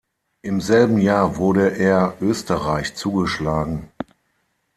Im selben Jahr wurde er Österreich zugeschlagen.